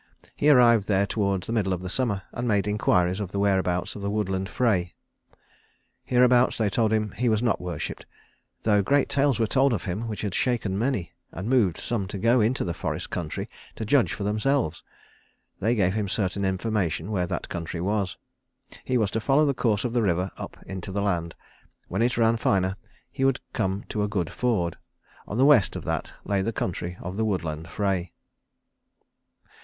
He arrived there towards the middle of the summer, and made inquiries of the whereabouts of the woodland Frey. Hereabouts, they told him, he was not worshipped, though great tales were told of him which had shaken many, and moved some to go into the forest country to judge for themselves. They gave him certain information where that country was. He was to follow the course of the river up into the land. When it ran finer he would come to a good ford. On the west of that lay the country of the woodland Frey.